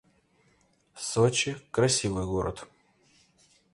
Сочи — красивый город